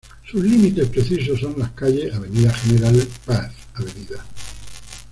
Sus límites precisos son las calles: Avenida General Paz, Av.